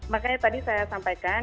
makanya tadi saya sampaikan